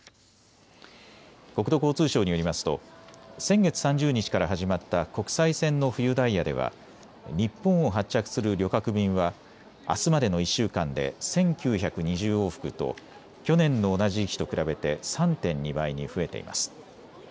国土交通省によりますと先月３０日から始まった国際線の冬ダイヤでは日本を発着する旅客便はあすまでの１週間で１９２０往復と去年の同じ時期と比べて３．２倍に増えています。